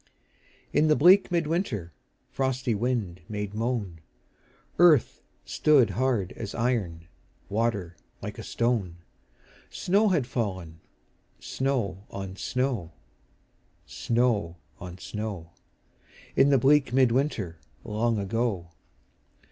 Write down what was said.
In the bleak mid winter Frosty wind made moan, Earth stood hard as iron, Water like a stone; Snow had fallen, snow on snow, Snow on snow, In the bleak mid winter Long ago.